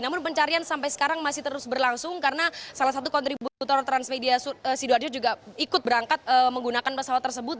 namun pencarian sampai sekarang masih terus berlangsung karena salah satu kontributor transmedia sidoarjo juga ikut berangkat menggunakan pesawat tersebut